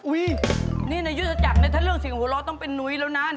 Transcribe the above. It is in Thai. อุ้ยนี่นะยุศจักรนะถ้าเรื่องเสียงหัวเราะต้องเป็นหนุ่ยแล้วนะ